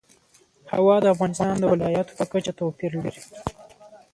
هوا د افغانستان د ولایاتو په کچه توپیر لري.